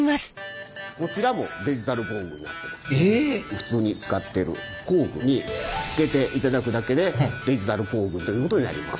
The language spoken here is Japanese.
普通に使ってる工具につけていただくだけでデジタル工具ということになります。